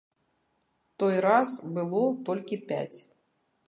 Той раз было толькі пяць.